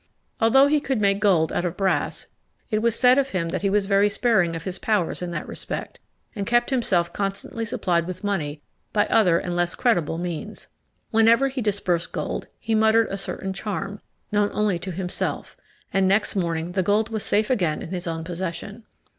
Although he could make gold out of brass, it was said of him that he was very sparing of his powers in that respect, and kept himself constantly supplied with money by other and less creditable means. Whenever he disbursed gold, he muttered a certain charm, known only to himself, and next morning the gold was safe again in his own possession.